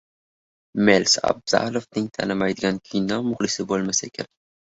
Mels Abzalovni tanimaydigan kino muxlisi bo‘lmasa kerak.